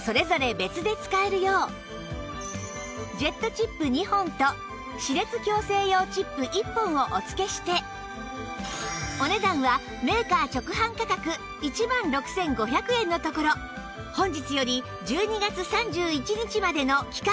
ジェットチップ２本と歯列矯正用チップ１本をお付けしてお値段はメーカー直販価格１万６５００円のところ本日より１２月３１日までの期間